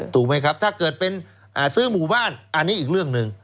ถูกไหมครับถ้าเกิดเป็นซื้อหมู่บ้านอันนี้อีกเรื่องหนึ่ง